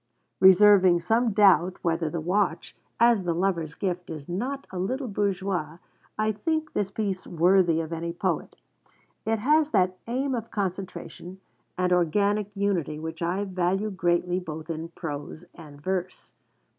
Reserving some doubt whether the watch, as the lover's gift, is not a little bourgeois, I think this piece worthy of any poet. It has that aim of concentration and organic unity which I value greatly both in prose and verse.